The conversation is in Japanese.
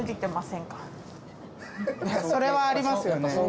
それはありますよね。